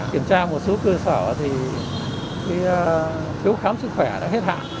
kiểm tra một số cơ sở thì thiếu khám sức khỏe đã hết hạn